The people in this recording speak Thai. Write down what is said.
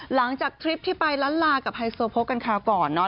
หลังจากทริปที่ไปล้านลากับไฮโซพกันค่ะก่อนเนาะ